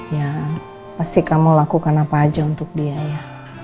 ya pasti kamu lakukan apa aja untuk dia ya